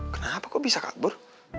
kenapa kok bisa kabur